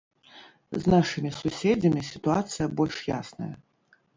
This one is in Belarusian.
З нашымі суседзямі сітуацыя больш ясная.